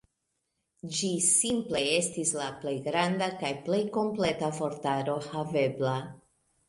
Ĝi simple estis la plej granda kaj plej kompleta vortaro havebla.